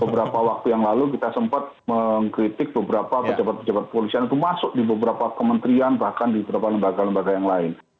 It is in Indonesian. beberapa waktu yang lalu kita sempat mengkritik beberapa pejabat pejabat polisian itu masuk di beberapa kementerian bahkan di beberapa lembaga lembaga yang lain